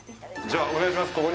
じゃお願いします